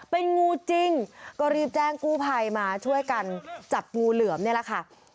เป็นงูจริงก็รีบแจ้งกู้ภัยมาช่วยกันจับงูเหลือมนี่แหละค่ะ